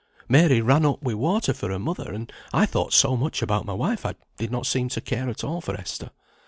Mary ran up with water for her mother, and I thought so much about my wife, I did not seem to care at all for Esther.